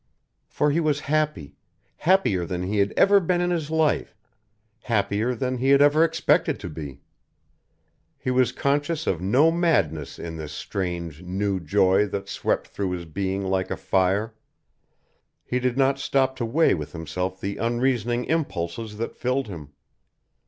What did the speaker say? For he was happy, happier than he had ever been in his life, happier than he had ever expected to be. He was conscious of no madness in this strange, new joy that swept through his being like a fire; he did not stop to weigh with himself the unreasoning impulses that filled him.